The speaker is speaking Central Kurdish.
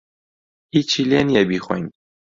ھیچی لێ نییە بیخۆین.